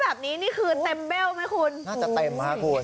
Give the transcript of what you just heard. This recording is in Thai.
แบบนี้นี่คือเต็มเบลไหมคุณน่าจะเต็มค่ะคุณ